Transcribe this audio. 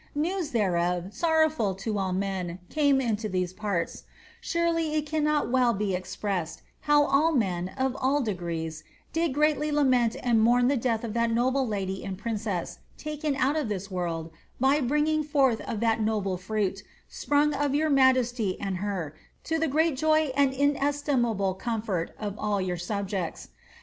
News thereof, sorrowful to all men, came into these parts ; surely it cannot well be expressed, bow all men, of all degrees, did greatly lament and mourn the death of that noble lady and princess, taken out of tliis world, by bringing forth of that noble fruit, sprung of your majesty and her, to the great joy and inesti mable comfort of all your subjects.